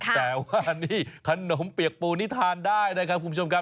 แต่ว่านี่ขนมเปียกปูนี่ทานได้นะครับคุณผู้ชมครับ